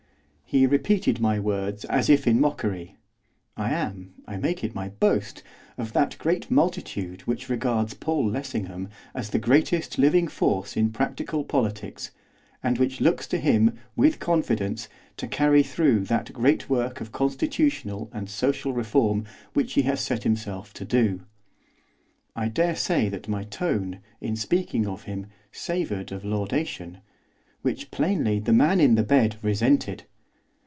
He repeated my words as if in mockery. I am I make it my boast! of that great multitude which regards Paul Lessingham as the greatest living force in practical politics; and which looks to him, with confidence, to carry through that great work of constitutional and social reform which he has set himself to do. I daresay that my tone, in speaking of him, savoured of laudation, which, plainly, the man in the bed resented.